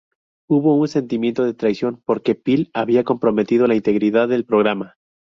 Hubo un sentimiento de traición, porque Phil había comprometido la integridad del programa.